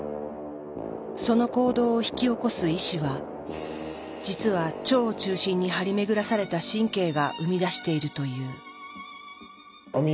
その行動を引き起こす「意思」は実は腸を中心に張り巡らされた神経が生み出しているという。